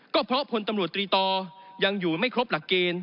ก็เพราะพลตำรวจตรีต่อยังอยู่ไม่ครบหลักเกณฑ์